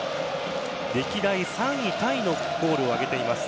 歴代３位タイのゴールを挙げています。